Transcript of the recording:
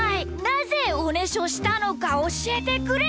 なぜおねしょしたのかおしえてくれ！